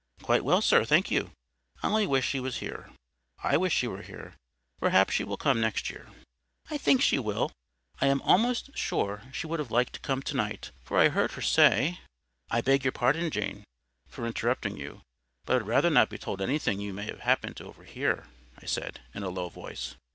"Quite well, sir, thank you. I only wish she was here." "I wish she were. But perhaps she will come next year." "I think she will. I am almost sure she would have liked to come to night; for I heard her say"—— "I beg your pardon, Jane, for interrupting you; but I would rather not be told anything you may have happened to overhear," I said, in a low voice.